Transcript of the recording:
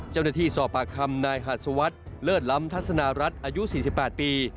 เจ้าหน้าที่สอบปากคำนายหาดสวัสดิ์เลิศล้ำทัศนารัฐอายุ๔๘ปี